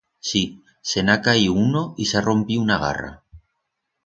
Sí, se'n ha caiu uno y s'ha rompiu una garra.